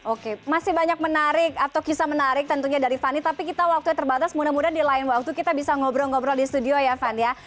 oke masih banyak menarik atau kisah menarik tentunya dari fanny tapi kita waktunya terbatas mudah mudahan di lain waktu kita bisa ngobrol ngobrol di studio ya fann ya